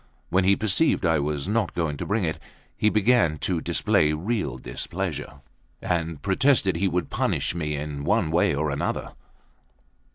When he perceived I was not going to bring it, he began to display real displeasure, and protested he would punish me in one way or another.